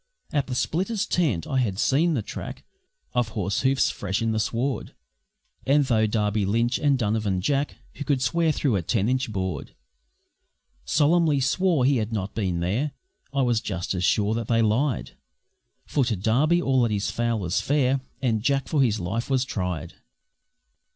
At the splitters' tent I had seen the track Of horse hoofs fresh on the sward, And though Darby Lynch and Donovan Jack (Who could swear through a ten inch board) Solemnly swore he had not been there, I was just as sure that they lied, For to Darby all that is foul was fair, And Jack for his life was tried.